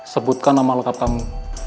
sebutkan nama lengkap kamu